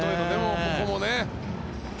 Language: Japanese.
ここもね。